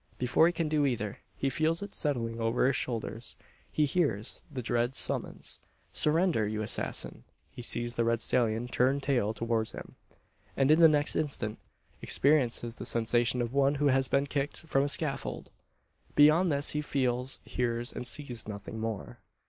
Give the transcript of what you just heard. Before he can do either, he feels it settling over his shoulders; he hears the dread summons, "Surrender, you assassin!" he sees the red stallion turn tail towards him; and, in the next instant, experiences the sensation of one who has been kicked from a scaffold! Beyond this he feels, hears, and sees nothing more.